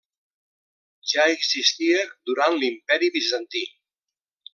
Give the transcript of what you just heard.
Ja existia durant l'Imperi bizantí.